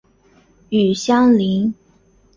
与相邻。